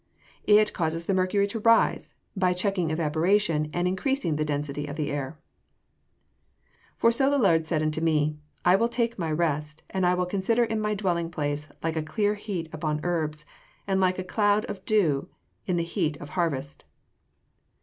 _ It causes the mercury to rise, by checking evaporation, and increasing the density of the air. [Verse: "For so the Lord said unto me, I will take my rest, and I will consider in my dwelling place like a clear heat upon herbs, and like a cloud of dew in the heat of harvest."